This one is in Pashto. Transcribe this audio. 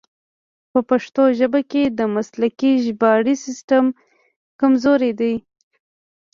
په پښتو ژبه کې د مسلکي ژباړې سیستم کمزوری دی.